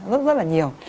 rất rất là nhiều